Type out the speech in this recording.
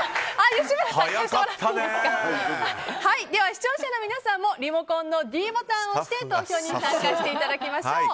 視聴者の皆さんもリモコンのｄボタンを押して投票に参加していただきましょう。